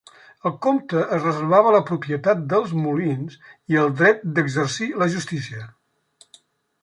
El comte es reservava la propietat dels molins i el dret d'exercir la justícia.